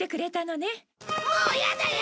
もうやだよ！